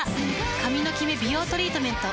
髪のキメ美容トリートメント。